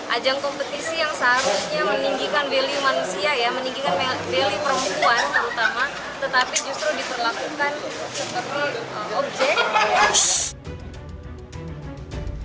ajang kompetisi yang seharusnya meninggikan value manusia ya meninggikan value perempuan terutama tetapi justru diperlakukan seperti objek